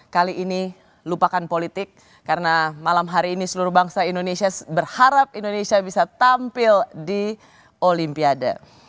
kali ini lupakan politik karena malam hari ini seluruh bangsa indonesia berharap indonesia bisa tampil di olimpiade